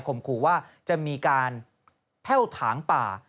ขู่ว่าจะมีการแพ่วถางป่า